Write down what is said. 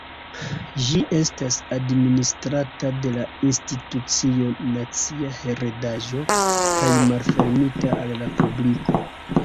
Ĝi estas administrata de la Institucio Nacia Heredaĵo kaj malfermita al la publiko.